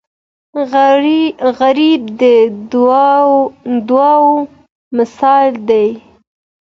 غریب د دعاو مثال دی